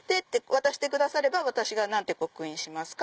渡してくだされば私が何て刻印しますか？